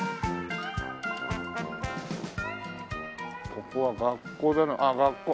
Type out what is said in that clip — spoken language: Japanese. ここは学校だなあっ学校。